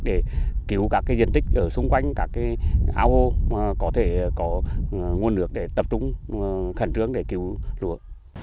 để cứu các cái diện tích ở xung quanh các cái áo hô có thể có nguồn lực để tập trung khẩn trương để cứu lúa